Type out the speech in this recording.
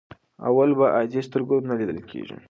اولو په عادي سترګو نه لیدل کېږي.